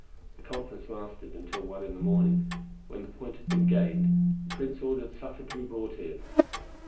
The conference lasted until one in the morning, when, the point being gained, the Prince ordered supper to be brought in.